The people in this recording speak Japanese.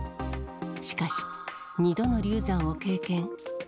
しかし、２度の流産を経験。